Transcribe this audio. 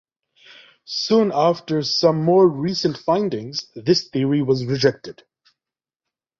Soon after some more recent findings, this theory was rejected.